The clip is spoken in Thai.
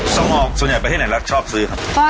ส่งออกส่วนใหญ่ไปที่ไหนรักชอบซื้อครับ